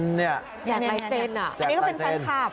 อันนี้ก็เป็นแฟนคลับ